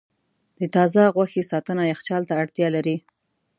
د تازه غوښې ساتنه یخچال ته اړتیا لري.